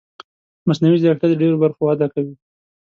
مصنوعي ځیرکتیا د ډېرو برخو وده کوي.